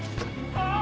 ああ！